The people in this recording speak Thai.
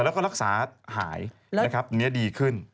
แล้วก็รักษาหายนะครับอันนี้ดีขึ้น